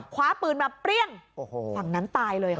คว้าปืนมาเปรี้ยงโอ้โหฝั่งนั้นตายเลยค่ะ